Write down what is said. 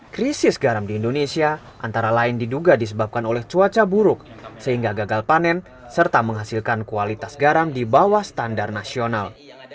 krisis garam di indonesia antara lain diduga disebabkan oleh cuaca buruk sehingga gagal panen serta menghasilkan kualitas garam di bawah standar nasional